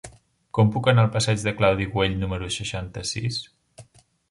Com puc anar al passeig de Claudi Güell número seixanta-sis?